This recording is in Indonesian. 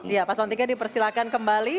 iya pasangan tiga dipersilakan kembali